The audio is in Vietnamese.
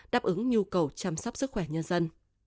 đáp ứng nhu cầu chăm sóc sức khỏe nhân dân